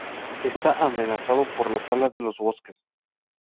Está amenazado por la tala de los bosques.